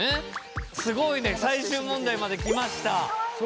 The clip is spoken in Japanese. すごいね最終問題まで来ました。